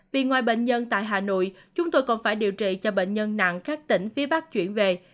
vì ngoài bệnh nhân tại hà nội chúng tôi còn phải điều trị cho bệnh nhân nặng các tỉnh phía bắc chuyển về